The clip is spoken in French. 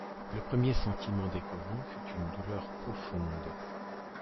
Le premier sentiment des colons fut une douleur profonde !